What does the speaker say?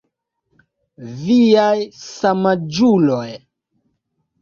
Viaj samaĝuloj.